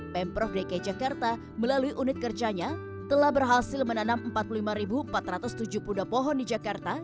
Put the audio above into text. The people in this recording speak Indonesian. pemprov dki jakarta melalui unit kerjanya telah berhasil menanam empat puluh lima empat ratus tujuh puluh dua pohon di jakarta